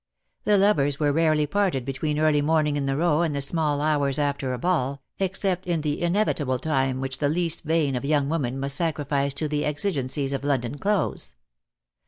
The lovers were rarely parted between early morning in the Row and the small hours after a ball, except in the inevitable time which the least vain of young women must sacri fice to the exigencies of London clothes.